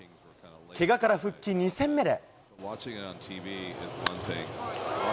けがから復帰２戦目で。